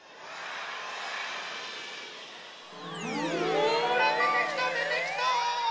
ほらでてきたでてきた！